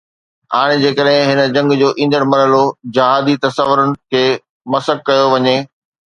هاڻي جيڪڏهن هن جنگ جو ايندڙ مرحلو جهادي تصورن کي مسخ ڪيو وڃي